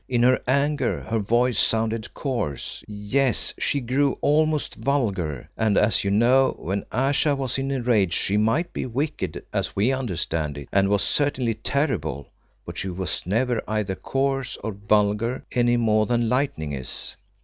In her anger her voice sounded coarse; yes, she grew almost vulgar, and, as you know, when Ayesha was in a rage she might be wicked as we understand it, and was certainly terrible, but she was never either coarse or vulgar, any more than lightning is.